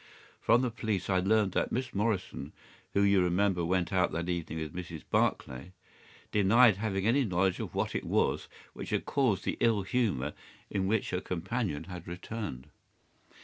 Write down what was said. "From the police I learned that Miss Morrison, who you remember went out that evening with Mrs. Barclay, denied having any knowledge of what it was which had caused the ill humour in which her companion had returned.